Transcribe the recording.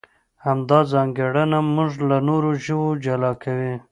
همدا ځانګړنه موږ له نورو ژوو جلا کوي.